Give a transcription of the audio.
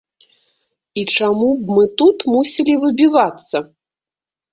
І чаму б мы тут мусілі выбівацца?